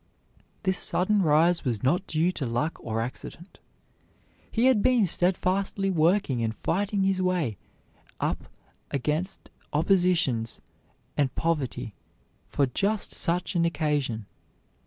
This sudden rise was not due to luck or accident. He had been steadfastly working and fighting his way up against oppositions and poverty for just such an occasion.